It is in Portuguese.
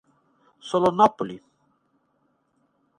Solonópole